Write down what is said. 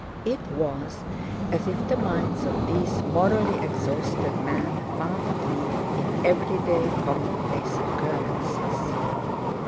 It was as if the minds of these morally exhausted men found relief in everyday, commonplace occurrences.